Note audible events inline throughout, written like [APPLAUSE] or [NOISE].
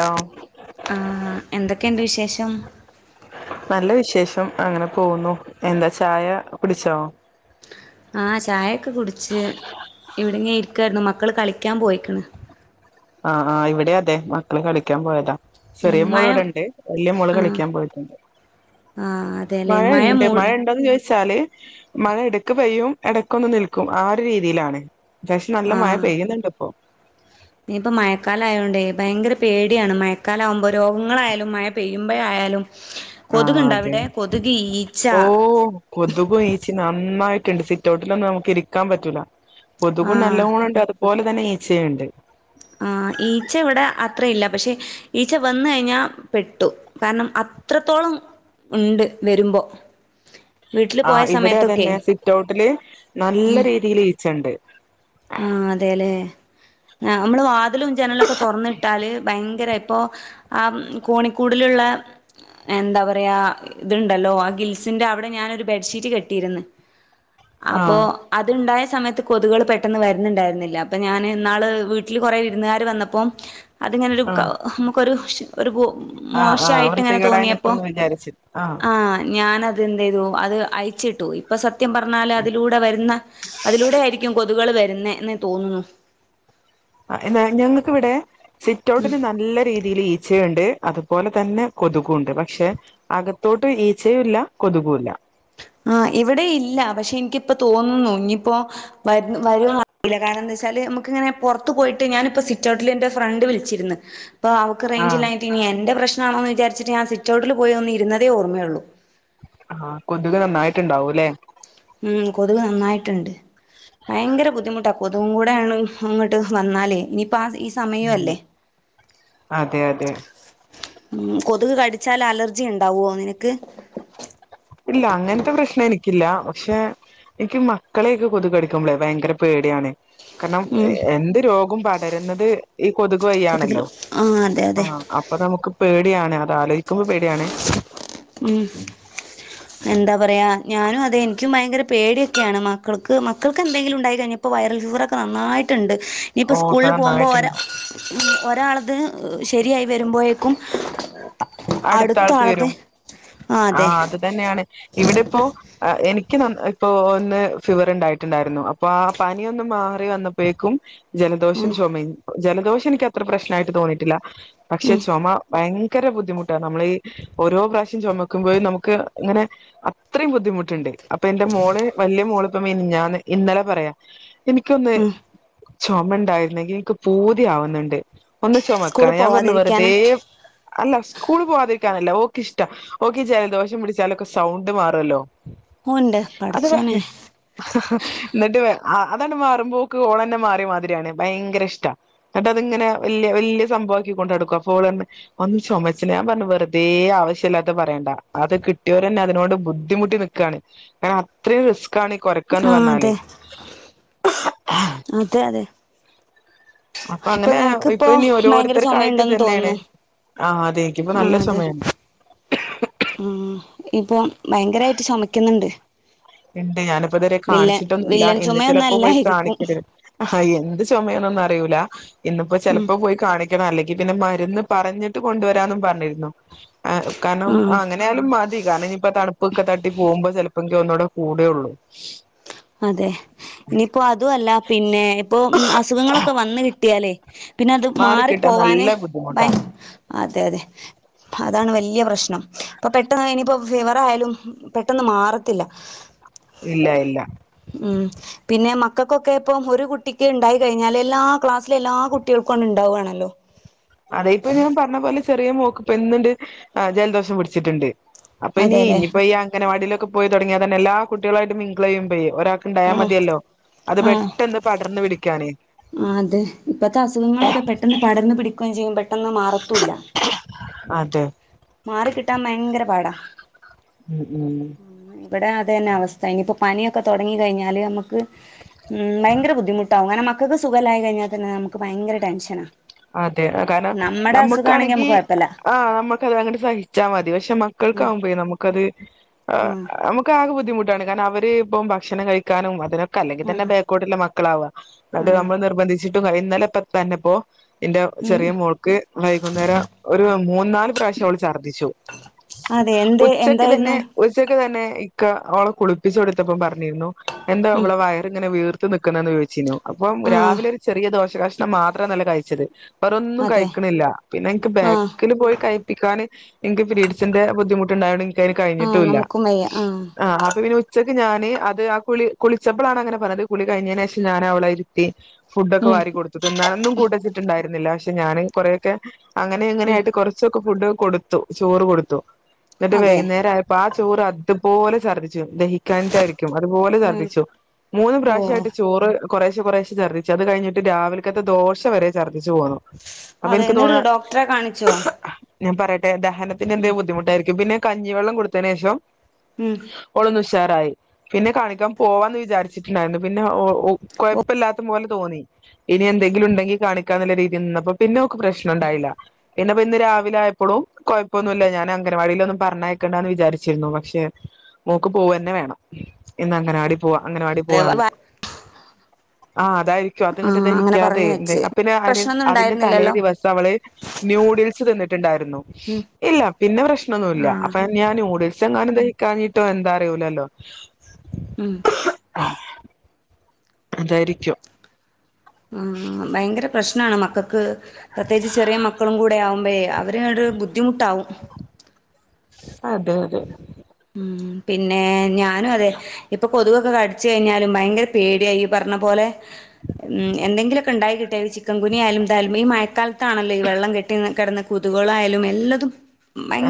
Hello ആ എന്തൊക്കെയുണ്ട് വിശേഷം? നല്ല വിശേഷം അങ്ങനെ പോകുന്നു എന്താ ചായ കുടിച്ചോ ആ ചായൊക്കെ കുടിച്ച് ഇവിടെങ്ങനെ ഇ രിക്കായിരുന്നു മക്കള് കളിക്കാൻ പോയിക്ക്‌ണ് ആഹ് ആഹ് ഇവിടെ അതെ മക്കള് കളിക്കാൻ പോയതാ ഉം ചെറിയ മോള് മഴ ഇവിടെണ്ട് വലിയ മോള് ആഹ് കളിക്കാൻ പോയിട്ടുണ്ട്. ആഹ് അതെല്ലേ മഴയുണ്ട് മൂ മഴ ഉണ്ടോന്ന് ചോദി വച്ചാല് മഴ എടക്ക് പെയ്യും എടക്കൊന്ന് നിൽക്കും ആ ഒരു രീതിയിലാണ് ത്യാവശ്യം നല്ല മഴ ആഹ് പെയ്യുന്നുണ്ട് ഇപ്പൊ ഇനിയിപ്പോ മഴക്കാലായോണ്ട് ഭയങ്കര പേടിയാണ് മഴക്കാല ആവുമ്പോ രോഗങ്ങളായാലും മഴ പെയ്യുമ്പോഴായാലും ആ കൊതുകുണ്ടോ അതെ അവിടെ കൊതുക് ഈച്ച ഓ കൊതുകും ഈച്ചി നന്നായി ട്ട്ണ്ട് സിറ്റ് ഔട്ടിലൊന്നും നമക്ക് ഇരിക്കാൻ പറ്റൂല്ല കൊതുകും നല്ല പോലെണ്ട് അത്പോലെ ങ്ങനെ ഈച്ചയുണ്ട് ആ ഈച്ച ഇവിടെ അ ത്ര ഇല്ല പക്ഷെ ഈച്ച വന്ന് കഴിഞ്ഞാ പെട്ടു കാരണം അത്രത്തോളം ഉണ്ട് വരുമ്പോ വീട്ടിൽ ആ പോയ ഇവിടെ സമയത്തൊക്കെ അതന്നെ സിറ്റ് ഔട്ടില് നല്ല രീതിൽ ഈച്ചണ്ട് ആ അതെല്ലേ നമ്മള് വാതിലും ചനലൊ ക്കെ തൊറന്നിട്ടാല് ഭയങ്കരാ പ്പൊ ആ കോണിക്കൂടില്ള്ള എന്താ പറയാ ഇത്ണ്ടല്ലോ ആ ഗിൽസിന്റെ അവിടെ ഞാനൊരു ബെഡ്ഷീറ്റ് കെട്ടിയിര്ന്ന്. അപ്പൊ ആഹ് അത്ണ്ടായ സമയത്ത് കൊതുകേള് പേ ട്ടെന്ന് വരുന്നുണ്ടായിരുന്നില്ല അപ്പൊ ഞാൻ ഇന്നാള് വീട്ടില് കുറെ ഇരുന്നാര് വന്നപ്പോം അത്ങ്ങനെരു ക ആഹ് നമക്കൊരു ഒര് ഗു ആഹ് ആഹ് മോശായിട്ട് ഇങ്ങനെ വൃത്തികേടായി തോന്നിയപ്പോ നിക്കുംന്ന് വിചാരിച്ച് ആഹ് ആ ഞാന തെന്തയ്തു അത് അയച്ചിട്ടു ഇപ്പൊ സ ത്യം പറഞ്ഞാല് അതിലൂടെ വരുന്ന അതിലൂടെ ആയിരിക്കും കൊ ള് വരുന്നേ ന്ന് തോന്നുന്നു ആ എന്താ ഞങ്ങക്കിവിടെ സിറ്റ്ഔട്ടിന് നല്ല രീതിയിൽ ഈച്ച് ച്ചയുണ്ട് അതുപോലെ തന്നെ കൊതുകുണ്ട് പക്ഷെ അകത്തോട്ട് ഈച്ചയുല്ല കൊതുകൂല്ല ആ ഇവിടെ ഇല്ല പക്ഷെ ഇനിക്കിപ്പോ തോന്നുന്നു ഇനിയിപ്പോ വ വരോന്നറിയില്ല കാരണം എന്താച്ചാല് നമക്ക്ങ്ങനെ പുറത്ത് പോയിട്ട് ഞാനിപ്പോ സിറ്റ് ഔട്ടില് എറെ ഫ്രണ്ട് വിളിച്ചിര്ന്ന് അപ്പ അവള്ക്ക് റേഞ്ച് ആഹ് ഇല്ലായിഞ്ഞിട്ട് ഇനി എന്റെ പ്രശ് ണോന്ന് വിചാരിച്ചിട്ട് ഞാൻ സ്വിറ്റ്ഔട്ടല് പോയി ഒന്ന് ഇരുന്നതേ ഓർമ്മയുള്ളൂ ആ കൊതുക് നന്നായിട്ടുണ്ടാവൂല്ലേ ഉം കൊതുക് നന്നായിട്ട്ണ്ട്. ഭയങ്കര ബുദ്ധിമുട്ട കൊതുകും കൂടേണ് ഇങ്ങട്ട് വന്നാലെ ഇനി പ്പാ ഈ ഉം സമയൊല്ലെ അതെ അതെ ഉം കൊതുക് കടിച്ചാൽ അലർജി ഇണ്ടാവോ നിനക്ക് ഇല്ല അങ്ങൻത്തെ പ്രശ്നം എനിക്കില്ല പക്ഷെ എൻക്ക് മക്കളെയൊക്കെ കൊത്കടിക്കുമ്പളെ ഭയങ്കര പേടിയാണ് കണം ഉം എന്ത് രോഗൊം ബാ തെരുന്നത് ഈ കൊതുക് വയ് ആണല്ലോ കൊതുകിലോ ആഹ് അതെ അതെ ആഹ് അപ്പ നമുക്ക് പേട് ടിയാണ് അതാലോയ്ക്കുമ്പം പേടി ഉം എന്താ പറയ ഞാനു അതെ ഇൻക്കും ഭയങ്കര പേടിയൊക്ക്യാണ് മക്കൾക്ക് മക്കൾക്ക് എന്തെങ്കിലുഇണ്ടായി കഴിഞ്ഞപ്പോൾ വൈറൽ ഫീവറൊക്കെ നന്നായിട്ടുണ്ട് ഇപ്പ ഓ ഇപ്പൊ സ്കൂള് പോകുമ്പോ ഓര നന്നായിട്ടുണ്ട് ഒരാള്ത് ശെരിയായി വരുമ്പോഴേക്കും അടുത്ത ആളത് ആ അതെ ക്കേരുംആഹ് അത് തന്നെയാണ് ഇവടെ ഇപ്പോ എനിക്ക് ന്ന ഇപ്പൊ ഇന്ന് ഫിവർ ഇണ്ടായിട്ട്ണ്ടായിര്ന്നു അപ്പൊ ആ പനിയൊന്ന് മാറി വന്നപ്പഴേക്കും ജലദോഷം ഉം ചൊമെം ജലദോഷം എനിക്ക് അത്ര പ്രശ്നായിട്ട് തോന്നിട്ടില്ല പക്ഷെ ഉം ചൊമ ഭയ ങ്കര ബുദ്ധിമു നമ്മൾഈ ഓരോ പ്രാശ്യം ചുമക്കുമ്പോഴും നമുക്ക് ഇങ്ങനെ അത്രയും ബുദ്ധിമുട്ടുണ്ട് അപ്പൊ എന്റെ മോള് വല്യ മോള് ഇപ്പ മിനിഞ്ഞാന്ന് ഇന്നലെ പറയാ എനിക്കൊന്ന് ഉം ചുമ ണ്ടാരുന്നെങ്കി എക്ക് പൂതിയാവുന്നുണ്ട് ഒന്ന് സ്കൂളിൽ ചൊമക്കാന് ഞാൻ പർഞ് പോവാതിരിക്കാനാ വെറുതേ അല്ല പോവാതിരിക്കാനല്ല ഓക്കിഷ്ട ഓക്കീ ജൽദോഷം പിടിച്ചാലൊക്കെ സൗണ്ട് മാറോല്ലോ ഓന്റെ അത് വേ പടച്ചോനെ ഇന്നിട്ട് വേ ആ അതാണ് മാറുമ്പോക്ക് ഓളെന്നെ മാറി മാതിരിയാണ് ഭയങ്കര ഇഷ്ട എന്നിട്ട് അത്ങ്ങനെ വല്ല്യ വല്ല്യ സംഭവാക്കി കൊണ്ടടക്കു അപ്പോളർഞ്ഞ് ഒന്ന് ചുമ ച്ച് ഞാൻ പറഞ്ഞു വെറുതേ ആവശ്യല്ലാത്തെ പറയണ്ട അത് കിട്ട്യോരെന്നെ അതിനോട് ബുദ്ധിമുട്ടി നിക്കാണ് കാര്ണം അത്രിം റിസ്ക്കാണ് കൊര ക്കന്ന് ആ പറഞ്ഞാല് അതെ അതെ അതെ അപ്പൊ ഇപ്പൊ അങ്ങനെ നിനക്കിപ്പോ ഇപ്പൊ ഇനി ഭയങ്കര ഓരോരുത്തർക്കായിട്ട് ചുമയുണ്ടെന്ന് ഇതെന്നേണ് തോന്നുന്നു ആഹ് തേക്കുമ്പ ആ നല്ല അതെ ചൊമയാണ് ഉം ഇപ്പം ഭയങ്കരായിട്ട് ചൊമക്ക്ന്നിണ്ട് ഇണ്ട് ഞാനിപ്പോ ഇതുവരെ കാണിച്ചിട്ടൊന്നുല്ല വില്ലൻ ഇന്ന് ചുമയൊന്നും ചിലപ്പോ പോയി അല്ലായിരിക്കും കാണിക്കരു ആ എന്ത് ചൊമയാനൊന്നറിയൂല്ല ഇന്നിപ്പോ ഉം ചെലപ്പോ പോയി കാണി ണം അല്ലെങ്കിൽ പിന്നെ മരുന്ന് പറഞ്ഞിട്ട് കൊണ്ടുവരാന്നും പറഞ്ഞിരുന്നു ആ കാരണം ആഹ് അങ്ങനെയാലും മതി കാരണം ഇനിയിപ്പ തണുപ്പൊക്കെ തട്ടി പോകുമ്പോ ചെല ഒന്നൂടെ കൂടെ ഒള്ളൂ അതെ ഇനിയിപ്പോ അതു അല്ല പിന്നെ ഇപ്പൊ മ് അസുഖങ്ങളൊക്കെ വന്ന് കിട്ടിയാലേ പിന്നെ അത് മാറി മാറിക്കിട്ടാൻ പോവാന് നല്ല ഭയ ബുദ്ധിമുട്ടാ അതെ അതെ അതാണ് വല്ല്യ പ്രശ്നം ഇപ്പൊ പെട്ടെന്ന് ഇനിയിപ്പോ ഫീവർ ആയാലും പെട്ടെന്ന് മാറത്തില്ല ഇല്ല ഇല്ല ഉം പിന്നെ മക്കക്കൊക്കെ ഇപ്പം ഒരു കുട്ടിക്ക് ഇണ്ടായി കഴിഞ്ഞാല് എല്ലാ ക്ലാസ്സിലെ എല്ലാ കുട്ടികൾക്കും അണിണ്ടാവാണല്ലോ അതെ ഇപ്പൊ ഞാൻ പറഞ്ഞ പോലെ ചെറിയ മോക്കിപ്പ ഇന്നിണ്ട് ജലദോഷം പിടിച്ചിട്ടിണ്ട് അപ്പൊ ഇനി അതെല്ലേ ഇനിയി പ്പോ ഈ അംഗനവാടീലൊ ക്കെ പോയി തുടങ്ങിയാ തന്നെ എല്ലാ കുട്ടികളായിട്ടും മിങ്കിളെയ്യുമ്പേ ഒരാൾക്ക് ഇണ്ടായാ ആഹ് മതിയല്ലോ അത് ആഹ് പെട്ടന്ന് പടർന്ന് പിടിക്കാനെ ആ അതെ ഇപ്പത്തെ അസുഖങ്ങളൊക്കെ പെട്ടെന്ന് പടർന്ന് പിടി കൊം ചെയ്യും പെ ട്ടന്ന് മാറത്തൂല്ല തെ മാറിക്കിട്ടാൻ ഭയങ്കര പാടാ ഉം ഉം ഇവിടെ അതെന്നെ അവസ്ഥ ഇനിയിപ്പ പനിയൊക്കെ തൊടങ്ങി കയിഞ്ഞാല് നമുക്ക് ഉം ഭയങ്കര ബുദ്ധിമുട്ടാവും കാരണം മക്കക്ക് സുഖല്ലായി കഴിഞ്ഞാ തന്നെ നമുക്ക് ഭയങ്കര ടെൻഷനാ അതെ കാരണം നമ്മടെ അസുഖാണെങ്കി നമ്മ്ക്കാണെങ്കി നമുക്ക് കൊഴപ്പല്ല ആ അമ്മക്കതെ ങ്ങട് സഹിച്ചാ മതി പഷെ ഉം മക്കൾക്കാവുമ്പഴെ നമുക്കത് ആ ആഹ് നമക്ക് ആകെ ബുദ്ധിമുട്ട ണ് കാരണം അവര് ഇപ്പം ഭക്ഷണം കഴിക്കാനും അതിനൊക്ക് ക്കല്ലെങ്കിൽ തന്നെ ആഹ് ബേക്കോട്ടിള്ള മക്കളാവാ ന്നിട്ട് ആഹ് നമ്മൾ നിർബന്ധിച്ചിട്ടും കഴി ഇന്നലെ പത്ത്തന്നെപ്പോ എന്റെ ഉം ചെറിയ മോൾക്ക് വൈകുന്നേരം ഒരു മൂ നാല് പ്രാശ്യം [UNINTELLIGIBLE] ഛർദിച്ചു അതെ എന്ത് ഉച്ചക്ക് തന്നെ എന്തായിരുന്നു ഉച്ചക്ക് തന്നെ ഇക്ക ഓൾ കുളിപ്പിച്ചു കൊടുത്തപ്പം പറഞ്ഞിരുന്നു എന്താ ഉം അവളെ വയറിങ്ങനെ വീർ നിക്കന്നന്ന് ചോയിച്ചീന്നു അപ്പം ആഹ് രാവിലെ ഒരു ചെറിയ ദോശ് ശ ഷ്ണം മാത്രാനല്ലേ കയ് ച്ചത് വേറൊന്നും അതെ കഴിക്കണില്ല പിന്നെ എനിക്ക് ആഹ് ബാക്കില് പോയി കഴപ്പിക്കാന് എങ്കി പിരീട്സിന്റെ ബുദ്ധിമു ട്ട്ണ്ടായൊണ്ട് ഇൻക്ക് അയ്ന് ആഹ് കഴിഞ്ഞിട്ടുല്ല നമുക്കും വയ്യ ആഹ് അപ്പ പിന്നെ ഉച്ചക് ക്ക് ഞാന് അത് ആ കുളി കുളിച്ചപ്പളാണ് അങ്ങനെ പറത് കുളി കഴിഞ്ഞതിന് ശേഷം ഞാൻ അവളെ ഇര്ത്തി ഫുഡോക്കെ ഉം വാരി കൊടുത്ത് തിന്നാനൊന്നും കൂട്ട ണ്ടായിരുന്നില്ല പക്ഷെ ഞാനും കൊറെയൊക്കെ അങ്ങനെ ഉം ഇങ്ങനെയായിട്ട് കൊറൊച്ചൊക്കെ ഫുഡും കൊടുത്തു. ചോറ് കൊടുത്തു. ത്ട്ട് അതെ വൈകുന്നേരം ആയപ്പോ ആ ചോറ് അത് പോലെ ചർദ്ധി ച്ചു ദഹിക്കാനിട്ടായിരിക്കും അതുപോലെ ഉം ചർദിച്ചു മൂന്നും ഓഹ് പ്രാവശ്യായിട്ട് ചോറ് കുറേശെ കുറേശെ ചർദിച്ചു അത് കഴിഞ്ട്ട് രാവിൽകത്തെ ദോശ വരെ ഛർദ്ദിച്ചു പോന്നു അപ്പൊ അതെ എനിക്ക് എന്നിട്ട് തോന്നാ ഡോക്ടറെ കാണിച്ചോ ഞാൻ പറെട്ടെ [UNINTELLIGIBLE] ദഹനത്തിന് ഉം എന്തേം ബുദ്ധിമുട്ടായിരിക്കും പിന്നെ കഞ്ഞിവെള്ളം കൊട്തെന് ശേഷം ഉം ഒളൊന്ന് സ് ത്താറായി പിന്നെ കാണിക്കാൻ പോവാന്ന്‌ വിചാരിച്ചിട്ട്ണ്ടായിര്ന്ന് പിന്നെ ഓ കൊഴപ്പല്ലാത്ത പോലെ തോന്നി ഇനി എന്തെങ്കിലും ഉണ്ടെങ്കി കാണി ക്കാന്ന്ല്ലേ രീതിയിൽ നിന്നപ്പം പിന്നെ ഓക്ക് പ്രശ്നം ഇണ്ടായില്ല പിന്നെപ്പം ഇന്ന് രാവിലായപ്പളും കൊഴപ്പന്നുല്ല ഞാൻ അംഗൻവാടിലോന്നും പറഞ്ഞയക്കണ്ടാന്ന് വിചാരിച്ചിരുന്നു പക്ഷെ മോക്ക് പോവന്നെ വേണം ഇന്ന് അങ്കൻവാടി പോവാ അംഗനവാടി പോവാറഞ്ഞു. ആഹ് ആഹ് അതായിരിക്കും അതിങ്ങിട്ട് അങ്ങനെ ദെഹിക്കാതെ പറഞ്ഞു ന്തേ വെച്ച് പിന്നെ അതിന് പ്രശ്നൊന്നും അതിന്റെ തലേ ഉണ്ടായിരുന്നില്ലല്ലോ ദിവസം അവള് ന്യൂടി തിരിച്ചു തന്നിട്ട്ണ്ടാര് ന്നു ഉം ഇല്ല പിന്നെ പ്രശ്നൊന്നുല്ല ആഹ് അപ്പ ഞാൻ ന്യൂടിൽസ് ച്ച ങ്ങാനും ദഹിക്കാഞ്ഞിട്ടോ എന്താ അറിയൂലല്ലോ ഉം ആഹ് അതായിരിക്കും ആഹ് ഭയങ്കര പ്രശ് നാണ് മക്കൾക്ക് പ്രത്യേകിച്ച് ചെറിയ മക്കളും കൂടെ ആവുമ്പോഴേ അവര്ങ്ങട്ട് ബു ബുദ്ധിമുട്ടാവും അതെ അതെ ഉം പിന്നെ ഞാ നും അതെ ഇപ്പൊ കൊതുവ ഒക്കെ കടിച്ച് കഴിഞ്ഞാലും ഭയങ്കര പേടിയാ ഇയ്യ് പറഞ്ഞ പോലെ ഉം എന്തെങ്കിലൊക്കെ ഉണ്ടായി കിട്ടിയ ചിക്കൻകുനിയ ആയാലും ഈ മഴ ക്കാലത്താണല്ലോ ഈ വെള്ളം കെട്ടി കിടന്ന കൊതുകുകളായാലും എല്ലതും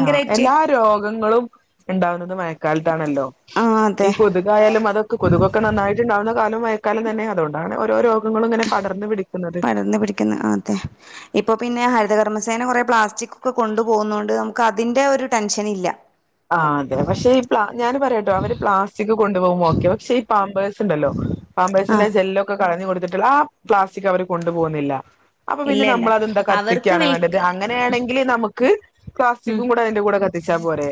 ആഹ് എല്ലാ രോഗങ്ങളും ഉണ്ടാവുന്നത് മഴക്കാലത്താണല്ലോ ആഹ് ഈ അതെ കൊതുകായാലും അതൊക്കെ കൊതുകൊക്കെ നന്നായിട്ട് ഉണ്ടാവുന്ന [UNINTELLIGIBLE] കാലം മഴക്കാലും തന്നെ അതോണ്ടാണ് ഓരോ രോ പടർന്നു പിടിക്കുന്നു അതെ ഇപ്പ പിന്നെ ഹരിതകർമ്മസേന കൊറെ പ്ലാസ്റ്റിക് ഒക്കെ കൊണ്ടു പോകുന്നൊണ്ട് നമുക്ക് അതിന്റെ ഒരു ടെൻഷൻ ഇല്ല. ആ അതെ പക്ഷേ ഈ പ്ലാ ഞാൻ പറയാട്ടോ അവര് പ്ലാസ്റ്റിക് കൊണ്ട് പോകുമോ ഒക്കെ പക്ഷേ ഈ പാമ്പേഴ്സ് ഇണ്ടല്ലോ പാമ്പേഴ്സിന്റെ ആഹ് ജെല്ലൊക്കെ കളഞ്ഞു കൊടു [UNINTELLIGIBLE] ആ പ്ലാസ്റ്റിക് അവര് കൊണ്ടു പോകുന്നില്ല. അപ്പ പിന്നെ ഇല്ല ഇല്ല നമ്മളത് എന്താ അവർക്ക് കത്തിക്കാണ് വേണ്ടത് വിൽക്ക് അങ്ങനെയാണെങ്കില് നമുക്ക് ഉം പ്ലാസ്റ്റിക്കും കൂടെ അതിന്റെ കൂടെ കത്തിച്ചാ പോരേ.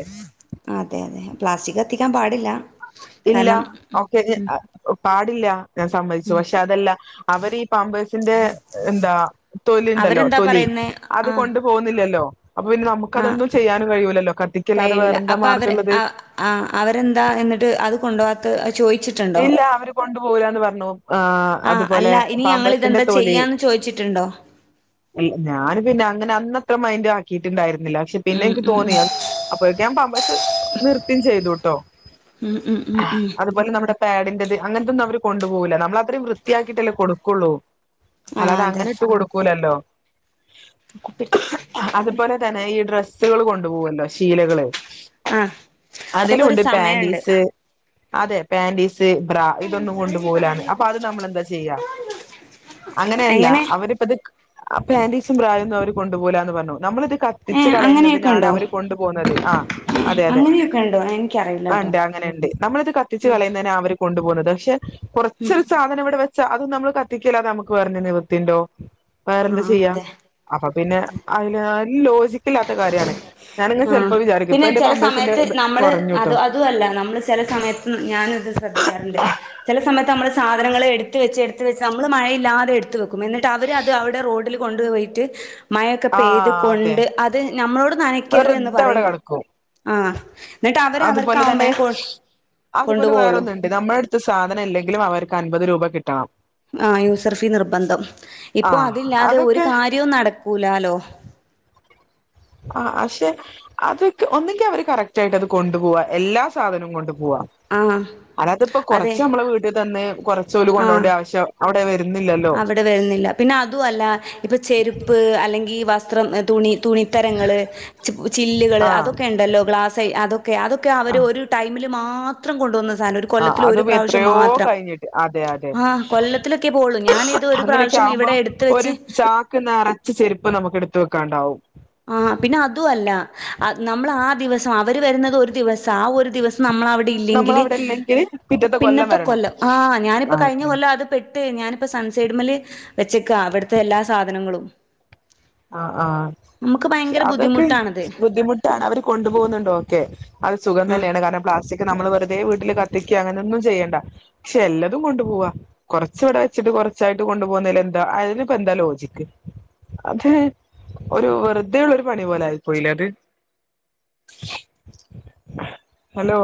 അതെ അതെ പ്ലാസ്റ്റിക് കത്തിക്കാൻ പാടില്ല. ഇല്ല കാരണം ഓക്കെ ഉം പാട് ടില്ല. ഞാൻ സമ്മതിച്ചു പക്ഷേ അതല്ല അവര് പമ്പേഴ്സിന്റെ എന്താ തൊലി ഇണ്ടല്ലോ അവരെന്താ തൊലി പറയുന്നേ ആഹ് അത്കൊണ്ട് പോകുന്നില്ലല്ലോ. അപ്പോ പിന്നെ നമുക്ക് ആഹ് അതെന്തും ചെയ്യാനും കഴിയൂലല്ലോ കത്തിക്കല്ലാതെ കഴിയൂല വേറെന്താ അപ്പൊ മാർഗ അവര് ഇള്ളത്. ആഹ് ആഹ് അവരെന്താ എന്നിട്ട് അത് കൊണ്ടോവാത്ത ചോയിച്ചിട്ടുണ്ടോ ഇല്ല അവര് കൊണ്ടുപോകുല്ലാന്ന് പറഞ്ഞു, ആഹ് അതുപോലെ അല്ല ഇനി ഞങ്ങൾ പാമ്പസിന്റെ ഇതെന്താ തോലി ചെയ്യാന്ന് ചോയിച്ചിട്ടുണ്ടോ ഞാൻ പിന്നെ അങ്ങനെ അന്ന ത്തെ മൈൻറ് ആക്കിയിട്ടുണ്ടായിരു ന്നി പക്ഷേ പിന്നെ ഉം എനിക്ക് ഉം തോന്നി അപ്പോഴേക്കും ഞാൻ പാമ്പേസ് നിർത്തിം ചെയ്തുട്ടോ. മ് മ് മ് മ് അതുപോലെ നമ്മുടെ പാഡിന്റെത് അങ്ങനത്തെന്നും അവർ കൊണ്ട് പോകുല്ല നമ്മള അത്രയും വൃത്തിയാക്കിയിട്ടല്ലേ കൊടു ക്കൊള്ളൂ ആഹ് അല്ലാതെ അതെ അങ്ങനെ ഇട്ട് കൊടുക്കൂലല്ലോ കുപ്പിയെടുത്തോ അത് പോലെ തന്നെ ഈ ഡ്രസ് ഡ്രസ്സുകള് കൊണ്ടു പോവല്ലോ ശീലകള് ആഹ് അതൊക്കെ അതിലും ഒരു ഉണ്ട് സമയണ്ട് പാൻറീസ് ച് അതെ പാൻ്റീസ് സ് ബ്ര ഇതൊന്നും കൊണ്ടുപോവുലാന്ന്, അപ്പൊ അത് നമ്മളെന്താ ചെയ്യാ, അങ്ങനെയല്ല എങ്ങനെ അവരിപ്പിത് അ പാൻ്റീസും ബ്രായൊന്നും അവര് കൊണ്ടുപോവുലാന്ന് പറഞ്ഞു നമ്മളിത് കത്തിച്ച് ഏഹ് അങ്ങനെയൊക്കെ കളയുന്നതിനാണ് ഉണ്ടോ അവര് കൊണ്ടു പോന്നത് ആ അതെ അതെ അങ്ങനെയൊക്കെ ഉണ്ടോ എനിക്കറിയില്ലട്ടോ [UNINTELLIGIBLE] അങ്ങനെണ്ട് നമ്മളിത് കത്തിച്ച് കളയുന്നേന അവര് കൊണ്ടു പോന്നത് പക്ഷെ കുറച്ചൊരു സാധനം ഇവിടെ വെ ച്ച അതും നമ്മള് കത്തിക്കല്ലാതെ നമുക്ക് വേറെ നിവർത്തിയിണ്ടോ വേറെന്താ ആഹ് ചെയ്യാ അതെ അപ്പം പിന്നെ അയ് [UNINTELLIGIBLE] ഈ ലോജിക് ക്കില്ലാത്ത കാര്യാണ് ഞാനിങ്ങനെ ആഹ് ചെലപ്പോ വിചാരിക്കും പിന്നെ ഇപ്പം എന്റെ ചെല പമ്പേയ്സിന്റെ സമയത്ത് ഇത് നമ്മള് കൊറഞ്ഞുട്ടോ അത് അതും അല്ല നമ്മള് ചെല സമയത്ത് ഞാനും ഇത് ശ്രദ്ധിക്കാറിണ്ട് ചെല സമയത്ത് നമ്മള് സാധനങ്ങള് എടുത്ത് വെച്ച് എടുത്ത് വെച്ച് നമ്മള് മഴയില്ലാതെ എടുത്തു വെക്കും എന്നിട്ട് അവര് അത് അവിടെ റോഡിൽ കൊണ്ടുപോയിട്ട് മയയൊക്കെ പെയ്ത് ആഹ് അതെ കൊണ്ട് അത് നമ്മളോട് നനയ്ക്കരുത് എന്ന് വെറുതെ അവിടെ പറയും കെടക്കും ആഹ് എന്നിട്ട് അവര് അതുപോലെ തന്നെ അവർക്കാവുമ്പഴേ കൊ അതുപോലെ കൊണ്ടുപോവുള്ളൂ വേറൊന്നുണ്ട് നമ്മളടുത്ത് സാധനം ഇല്ലെങ്കിലും അവർക്ക് അൻപത് രൂപ കിട്ടണം ആ യൂസർഫീ നിർബന്ധം ഇപ്പൊ ആഹ് അതില്ലാതെ ഒരു അതൊക്കെ കാര്യവും നടക്കൂലാലോ അ അഷെ അതൊക് ഒന്നെങ്കി അവര് കറക്റ്റ് ആയിട്ട് അത് കൊണ്ടുപോവാ എല്ലാ സാധനവും കൊണ്ടു പൂവ ആ അതാത് ഇപ്പൊ അതെ കൊറച്ച് നമ്മളെ വീട്ടി തന്ന് കൊറച്ച് ചൊലു ആ കൊണ്ടുണ്ടെ ആവശ്യം അവി [UNINTELLIGIBLE] അവിടെ വരുന്നില്ല പിന്നെ അതുവല്ല ഇപ്പം ചെരുപ്പ് അല്ലെങ്കി വസ് സ്ത്രം തുണി തുണിത്തരങ്ങള് ചി ചില്ലുകള് ആഹ് അതൊക്കെ ഇണ്ടല്ലോ ഗ്ലാസായി അതൊ ക്കെ അതൊക്കെ അവര് ആഹ് ഒരു ടൈമിലൊ മാത്രം കൊണ്ടുവന്ന [UNINTELLIGIBLE] ഒരു ആഹ് കൊല്ലത്തില് ഒരു അതും പ്രാവശ്യം എത്രയോ മാത്രം കഴിഞ്ഞിട്ട് അതെ അതെ ആഹ് കൊല്ലത്തിലൊക്കെ പോവുള്ളൂ ഞാനിത് ഒരു അങ്ങനെയൊക്കെ പ്രാവശ്യം ആവുമ്പോ ഇവിടെ എടുത്ത് ഒരു വെച്ച് ചാക്ക് നിറച്ച് ചെരുപ്പ് നമുക്ക് എടുത്തു വെ ക്കാണ്ടാവും ആഹ് പിന്നെ അതുവല്ല അ നമ്മള് ആ ദിവസം അവര് വരുന്നത് ഒരു ദിവസാ ആ ഒരു ദിവസ് നമ്മളവിടെ നമ്മൾ ഇല്ലെങ്കില് അവിടെ ഇല്ലെങ്കിൽ പിറ്റത്തെ പിന്നത്തെ വരണം കൊല്ലം ആഹ് ഞാനിപ്പൊ കഴിഞ്ഞ ആഹ് കൊല്ലം അത് പെട്ട് ഞാനിപ്പം സൺസൈഡ്മേല് വെച്ചേക്കാ അവിടുത്തെ എല്ലാ സാധനങ്ങളും ആഹ് ആഹ് നമുക്ക് ഭയങ്കര അതൊക്കെ ബുദ്ധിമുട്ടാണത് ബുദ്ധിമുട്ടാണ് അവര് കൊണ്ടുപോവുന്നുണ്ട് ഓക്കെ അത് സുഖം ആ തന്നെയാണ് കാരണം പ്ലാസ്റ്റിക് നമ്മള് വെറുതെ വീട്ടില് കത്തിക്ക അങ്ങനോന്നും ചെയ്യേണ്ട ക്ഷെല്ലാതും കൊണ്ടുപോവാ കൊറച്ച് ഇവിടെ വെച്ചിട്ട് കൊറച്ചായിട്ട് കൊണ്ടുപോകുന്നതിൽ എന്താ അതിലിപ്പോ എന്താ ലോജിക്ക്? അത് ഒരു വെറുതെ ഉള്ള ഒരു പണി പോലെയിപ്പോയില്ലേ അത് ഹലോ